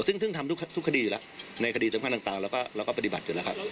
ซึ่งทำทุกคดีอยู่แล้วในคดีสำคัญต่างเราก็ปฏิบัติอยู่แล้วครับ